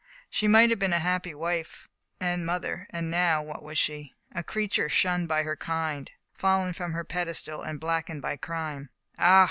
She might have been a happy wife and mother, and now what was she? A creature shunned by her kind, fallen from her pedestal, and blackened by crime. Ah!